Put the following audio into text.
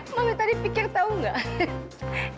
mama tadi pikir tahu nggak